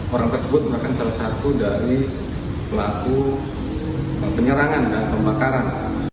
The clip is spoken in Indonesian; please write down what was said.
orang tersebut merupakan salah satu dari pelaku penyerangan dan pembakaran